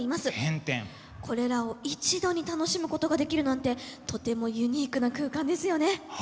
これらを一度に楽しむことができるなんてとてもユニークな空間ですよね。